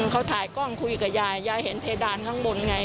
เขาถ่ายกล้องคุยกับยายยายเห็นเพดานข้างบนไง